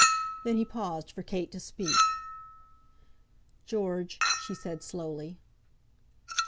Then he paused for Kate to speak. "George," she said, slowly.